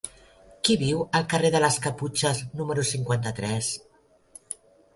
Qui viu al carrer de les Caputxes número cinquanta-tres?